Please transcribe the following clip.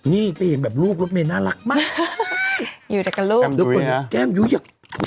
นี่ไปเห็นแบบลูกรถเมฆน่ารักมากอยู่ด้วยกับลูก